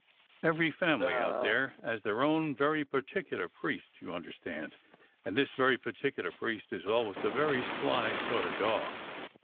Every family out there 'as their own very particular priest, you understand, and this very particular priest is always a very sly sort o' dog.